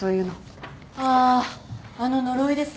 ああの呪いですね。